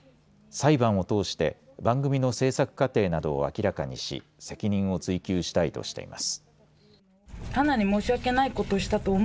裁判を通して番組の制作過程などを明らかにし責任を追及したいとしています。